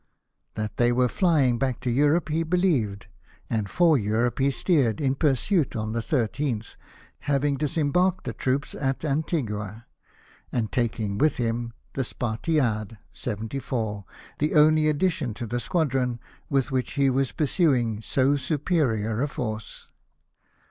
That they were flying back to Europe he believed, and for Europe he steered in pursuit on the 13th, having disembarked the troops at Antigua, and taking with him the Spartiate, 74 — the only addition to the squadron with which he was pursuing so superior a force.